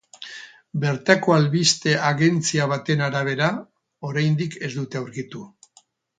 Bertako albiste agentzia baten arabera, oraindik ez dute aurkitu.